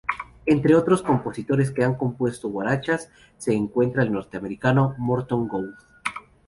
Entre otros compositores que han compuesto guarachas se encuentra el norteamericano Morton Gould.